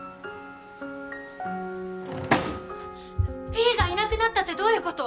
ピーがいなくなったってどういうこと！？